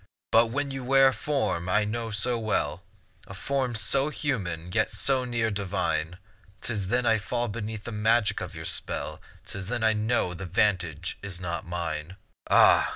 But when you wear a form I know so well, A form so human, yet so near divine; 'Tis then I fall beneath the magic of your spell, 'Tis then I know the vantage is not mine. Ah!